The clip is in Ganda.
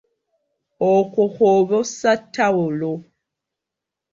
Okwo kw'oba ossa ttawulo.